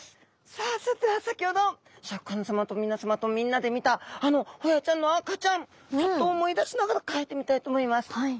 さあそれでは先ほどシャーク香音さまと皆さまとみんなで見たあのホヤちゃんの赤ちゃんちょっと思い出しながら描いてみたいと思います。